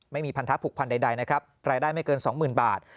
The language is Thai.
ไม่มีพันธะผูกพันใดนะครับรายได้ไม่เกิน๒๐๐๐บาท